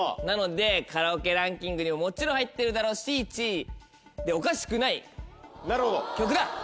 なのでカラオケランキングにももちろん入ってるだろうし１位でおかしくない曲だ。